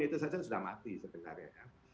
itu saja sudah mati sebenarnya ya